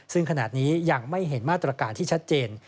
ซึ่งขณะนี้ยังไม่เห็นมาตรการที่ชัดเจน